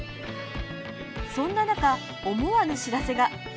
そんな中、思わぬ知らせが。